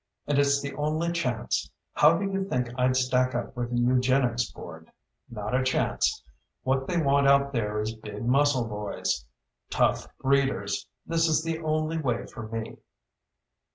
"And it's the only chance. How do you think I'd stack up with the Eugenics Board? Not a chance. What they want out there is big muscle boys. Tough breeders. This is the only way for me."